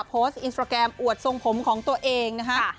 โพสต์อินสตราแกรมอวดทรงผมของตัวเองนะฮะ